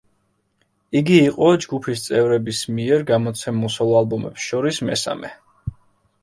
იგი იყო ჯგუფის წევრების მიერ გამოცემულ სოლო-ალბომებს შორის მესამე.